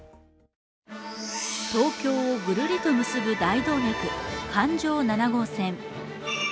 東京をぐるりと結ぶ大動脈、環状七号線。